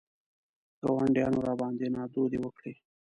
ګاونډیانو راباندې نادودې وکړې.